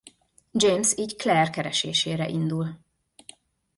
James így Claire keresésére indul.